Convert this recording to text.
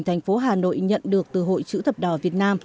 thành phố hà nội nhận được từ hội chữ thập đỏ việt nam